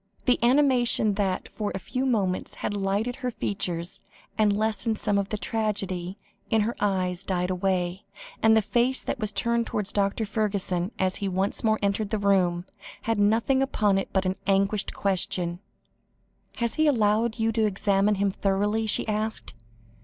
The animation that for a few moments had lighted her features, and lessened some of the tragedy, in her eyes died away, and the face that was turned towards Dr. Fergusson, as he once more entered the room, had nothing upon it but an agonised question. "He has allowed you to examine him thoroughly?" she asked.